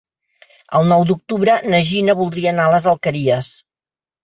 El nou d'octubre na Gina voldria anar a les Alqueries.